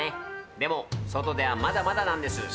でも外ではまだまだなんです。